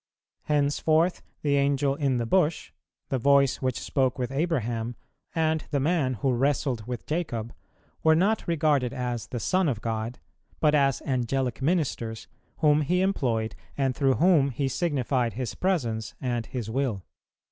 Henceforth the Angel in the bush, the voice which spoke with Abraham, and the man who wrestled with Jacob, were not regarded as the Son of God, but as Angelic ministers, whom He employed, and through whom He signified His presence and His will.